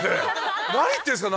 何言ってんすか？